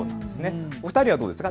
を２お二人はどうですか？